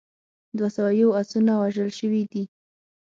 دوه سوه یو اسونه وژل شوي دي.